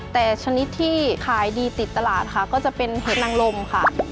แต่ชนิดที่ขายดีติดตลาดค่ะก็จะเป็นเห็ดนังลมค่ะ